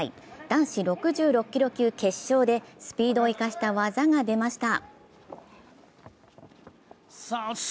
男子６６キロ級決勝でスピードを生かした技が出ました。